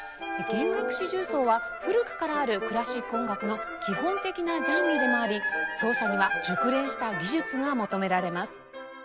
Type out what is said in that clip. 弦楽四重奏は古くからあるクラシック音楽の基本的なジャンルでもあり奏者には熟練した技術が求められます。